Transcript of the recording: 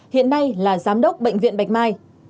hiện nay là giám đốc bệnh viện bạch mai